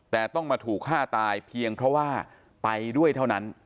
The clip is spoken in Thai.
แต่ต้องมาถูกฆ่าตายเพียงเพราะว่าไปด้วยเท่านั้น